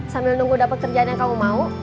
sambil nunggu dapat kerjaan yang kamu mau